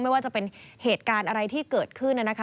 ไม่ว่าจะเป็นเหตุการณ์อะไรที่เกิดขึ้นนะคะ